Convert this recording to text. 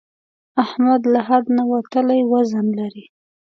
احمد له حد نه وتلی وزن لري.